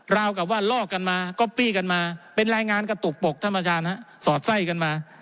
กับว่าลอกกันมาก๊อปปี้กันมาเป็นรายงานกระตุกปกท่านประธานฮะสอดไส้กันมา